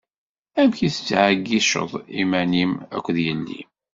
Amek i tettɛeyyiceḍ iman-im akked yelli-m?